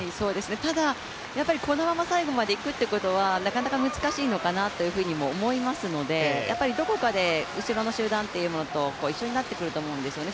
ただ、このまま最後までいくっていうことはなかなか難しいのかなと思いますのでどこかで後ろの集団というものと一緒になってくると思うんですよね。